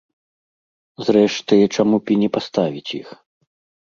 Зрэшты, чаму б і не паставіць іх?